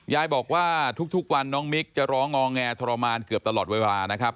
ยายบอกว่าทุกวันน้องมิ๊กจะร้องงอแงทรมานเกือบตลอดเวลานะครับ